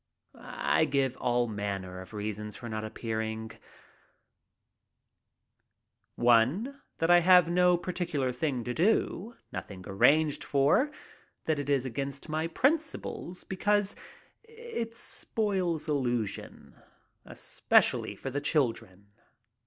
I give all manner of reasons for not appearing — one that I have no particular thing to do, nothing arranged for, that it is against my principles because it spoils illusion — especially for the children.